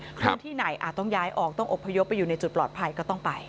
พื้นที่ไหนอาจต้องย้ายออกต้องอบพยพไปอยู่ในจุดปลอดภัยก็ต้องไป